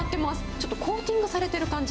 ちょっとコーティングされてる感じ。